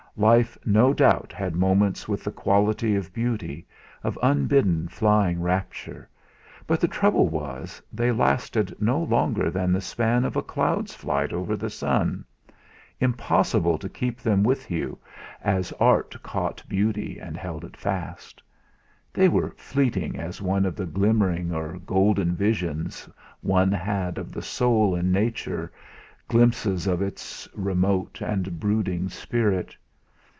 Life no doubt had moments with that quality of beauty, of unbidden flying rapture, but the trouble was, they lasted no longer than the span of a cloud's flight over the sun; impossible to keep them with you, as Art caught beauty and held it fast. They were fleeting as one of the glimmering or golden visions one had of the soul in nature, glimpses of its remote and brooding spirit.